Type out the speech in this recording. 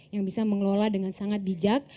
yang bisa mengelola dengan sangat bijak